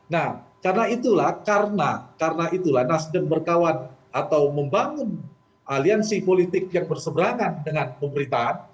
nah karena itulah karena itulah nasdem berkawan atau membangun aliansi politik yang berseberangan dengan pemerintahan